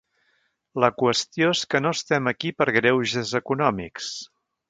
La qüestió és que no estem aquí per greuges econòmics.